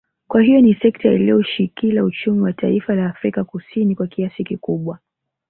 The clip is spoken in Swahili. Kwa hiyo ni sekta iliyoushikila uchumi wa taifa la Afrika Kusini kwa kiasi kikubwa